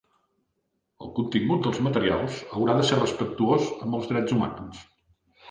El contingut dels materials haurà de ser respectuós amb els drets humans.